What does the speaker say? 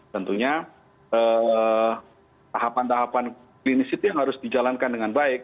tentunya tahapan tahapan klinis itu yang harus dijalankan dengan baik